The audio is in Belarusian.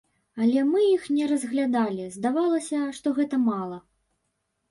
Але мы іх не разглядалі, здавалася, што гэта мала.